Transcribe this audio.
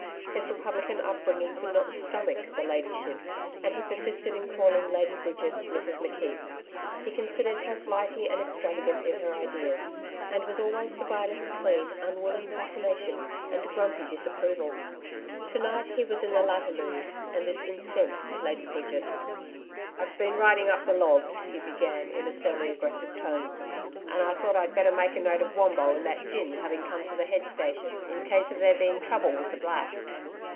His republican upbringing could not stomach the 'Ladyship,' and he persisted in calling Lady Bridget Mrs McKeith. He considered her flighty and extravagant in her ideas, and was always divided between unwilling fascination and grumpy disapproval. To night he was in the latter mood and this incensed Lady Bridget. 'I've been writing up the log,' he began in a surly, aggressive tone, 'and I thought I'd better make a note of Wombo and that gin having come to the head station, in case of there being trouble with the Blacks.'